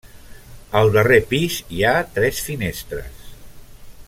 Al darrer pis hi ha tres finestres.